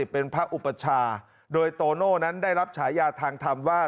เป็นพระอุปชาโดยโตโน่นั้นได้รับฉายาทางธรรมว่า